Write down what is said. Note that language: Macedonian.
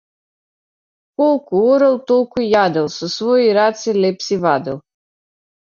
Колку орал толку јадел, со свои раце леб си вадел.